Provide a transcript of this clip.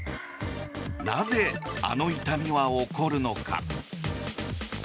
なぜ、あの痛みは起こるのか。